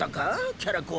キャラ公。